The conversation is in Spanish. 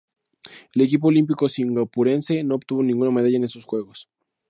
El equipo olímpico singapurense no obtuvo ninguna medalla en estos Juegos.